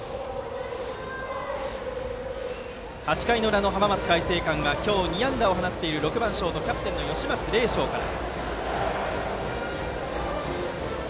８回の裏、浜松開誠館は今日２安打を放っている６番ショート、キャプテンの吉松礼翔から。